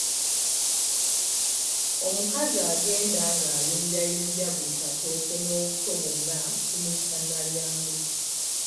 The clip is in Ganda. Omukazi agenda ngayunjayunja buli katooke n’obuto bwonna tumuyita Nalyambe.